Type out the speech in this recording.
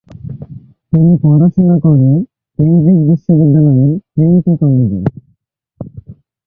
তিনি পড়াশোনা করে কেমব্রিজ বিশ্ববিদ্যালয়ের ট্রিনিটি কলেজে।